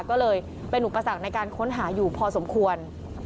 ก็เลยเป็นอุปสรรคในการค้นหาอยู่พอสมควร